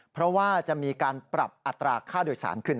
เพราะว่าจะมีการปรับอัตราค่าโดยสารขึ้น